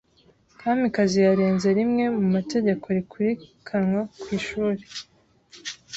Kamikazi yarenze rimwe mu mategeko yirukanwa ku ishuri.